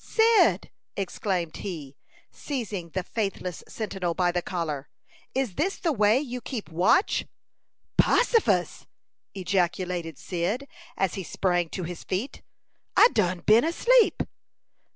"Cyd!" exclaimed he, seizing the faithless sentinel by the collar. "Is this the way you keep watch?" "Possifus!" ejaculated Cyd, as he sprang to his feet. "I done been asleep."